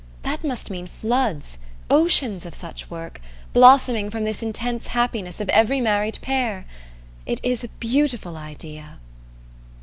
That must mean floods, oceans of such work, blossoming from this intense happiness of every married pair! It is a beautiful idea!"